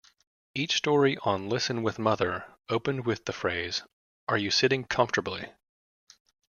Each story on "Listen with Mother" opened with the phrase "Are you sitting comfortably?